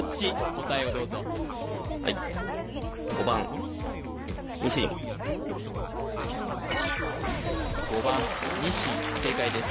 答えをどうぞはい素敵な声５番にしん正解です